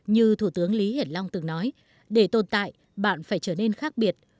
như thủ tướng lý hiển long từng nói để tồn tại bạn phải trở nên khác biệt